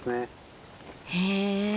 へえ。